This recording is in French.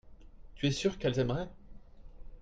tu es sûr qu'elles aimeraient.